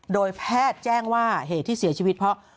โดยแพทย์แจ้งว่าเหตุที่เสียชีวิตเพราะ